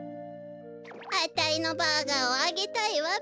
あたいのバーガーをあげたいわべ。